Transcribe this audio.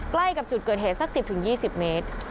ใกล้กับจุดเกิดเหตุสัก๑๐๒๐เมตร